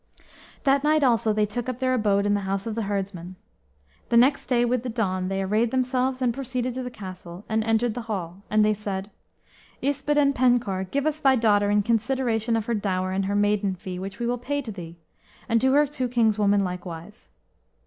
That night also they took up their abode in the house of the herdsman. The next day, with the dawn, they arrayed themselves and proceeded to the castle, and entered the hall; and they said, "Yspadaden Penkawr, give us thy daughter in consideration of her dower and her maiden fee, which we will pay to thee, and to her two kinswomen likewise."